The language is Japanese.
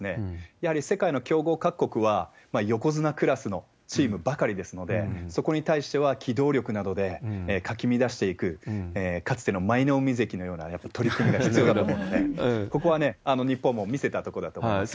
やはり世界の強豪各国は、横綱クラスのチームばかりですので、そこに対しては機動力などでかき乱していく、かつての舞の海関のようなやっぱ取組が必要だと思いますので、ここはね、日本も見せたとこだと思いますね。